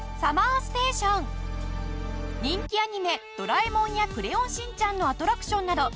人気アニメ『ドラえもん』や『クレヨンしんちゃん』のアトラクションなど